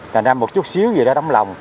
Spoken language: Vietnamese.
thành ra một chút xíu gì đó đóng lòng